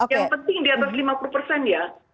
yang penting di atas lima puluh persen ya